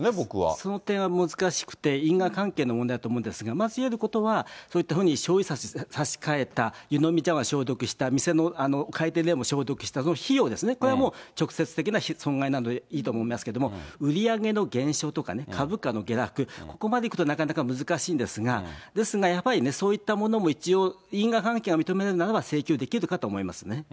その点は難しくて、因果関係の問題だと思うんですが、まず言えることは、そういったふうに、しょうゆさし差し替えた、湯飲み茶わん消毒した、店の回転レーンも消毒した、その費用ですね、これもう、直接的な損害なのでいいと思いますけど、売り上げの減少とかね、株価の下落、ここまでいくと、なかなか難しいんですが、ですがやっぱりね、そういったものも一応、因果関係が認められるならば、請求できるかと思いますね。